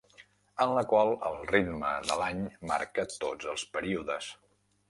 ...en la qual el ritme de l’any marca tots els períodes.